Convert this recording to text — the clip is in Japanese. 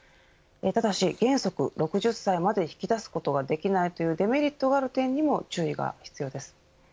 ただし原則６０歳まで引き出すことができないというデメリットがある点にも注意が必要です。